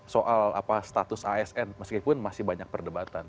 soal status asn meskipun masih banyak perdebatan